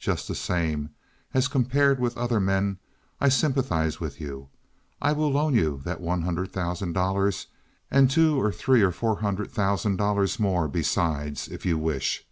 Just the same, as compared with other men, I sympathize with you. I will loan you that one hundred thousand dollars and two or three or four hundred thousand dollars more besides if you wish.